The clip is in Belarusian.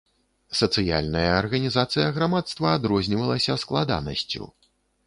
Сацыяльная арганізацыя грамадства адрознівалася складанасцю.